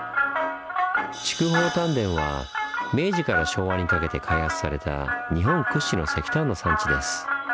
筑豊炭田は明治から昭和にかけて開発された日本屈指の石炭の産地です。